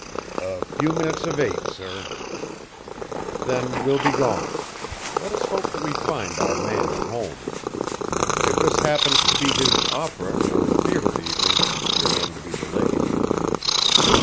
"A few minutes of eight, sir." "Then we'll be going. Let us hope that we find our man at home. If this happens to be his opera or theater evening, we are going to be delayed."